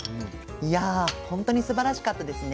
いやほんとにすばらしかったですね。